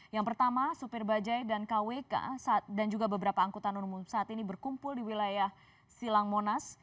yang pertama supir bajai dan kwk dan juga beberapa angkutan umum saat ini berkumpul di wilayah silang monas